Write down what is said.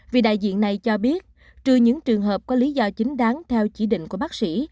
vì đại diện này cho biết trừ những trường hợp có lý do chính đáng theo chỉ định của bác sĩ